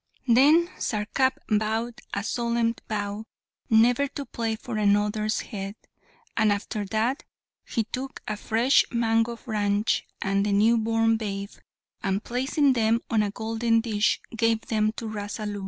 Then Sarkap vowed a solemn vow never to play for another's head; and after that he took a fresh mango branch, and the new born babe, and placing them on a golden dish gave them to Rasalu.